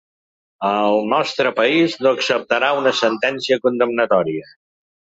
El nostre país no acceptarà una sentència condemnatòria.